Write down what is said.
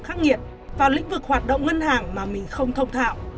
một lúc khắc nghiệt vào lĩnh vực hoạt động ngân hàng mà mình không thông thạo